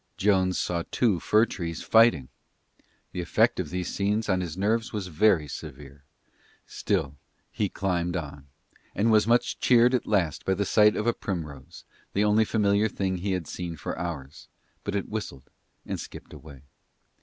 Jones saw two fir trees fighting. The effect of these scenes on his nerves was very severe; still he climbed on, and was much cheered at last by the sight of a primrose, the only familiar thing he had seen for hours, but it whistled and skipped away.